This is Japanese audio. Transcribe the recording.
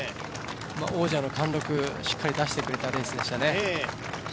王者の貫禄、しっかり出してくれたレースでしたね。